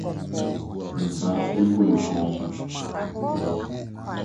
nsan beguu ne kɔn ho